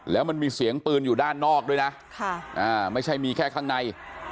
แล้วมันมีเสียงปืนอยู่ด้านนอกด้วยนะไม่ใช่มีแค่ข้างใน